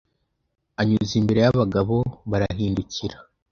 anyuze imbere y’abagabo barahindukira